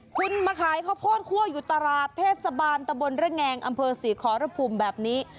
คุณมาขายข้าวโพดคั่วอยู่ตลาดเทศบาลตะบนระแงงอำเภอศรีขอรภูมิแบบนี้